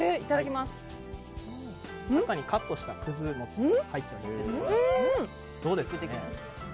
中にカットしたくず餅が入ってます。